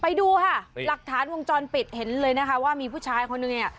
ไปดูค่ะหลักฐานวงจรปิดเห็นเลยนะคะว่ามีผู้ชายคนนึงเนี่ย